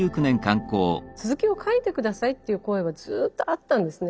続きを書いて下さいっていう声はずっとあったんですね。